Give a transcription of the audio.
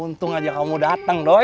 untung aja kamu dateng doi